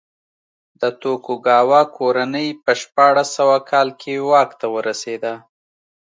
د توکوګاوا کورنۍ په شپاړس سوه کال کې واک ته ورسېده.